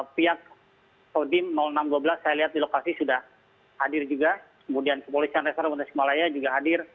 pihak kodim enam ratus dua belas saya lihat di lokasi sudah hadir juga kemudian kepolisian resor wota simalaya juga hadir